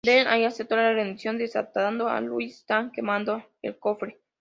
Deng Ai aceptó la rendición desatando a Liu Shan y quemando el cofre.